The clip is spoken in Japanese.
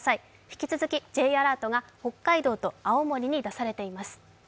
引き続きＪアラートが北海道と青森に出されています。